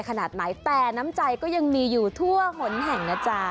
ขนาดไหนแต่น้ำใจก็ยังมีอยู่ทั่วหนแห่งนะจ๊ะ